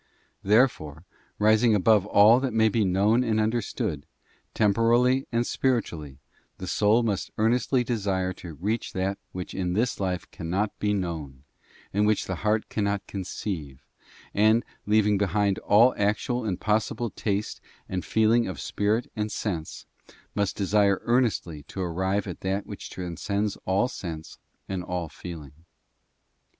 Therefore, rising above all that may be known and under .stood, temporally and spiritually, the soul must earnestly desire to reach that which in this life cannot be known, and which the heart cannot conceive; and, leaving behind all actual and possible taste and feeling of sense and spirit, must desire earnestly to arrive at that which transcends all sense and all feeling.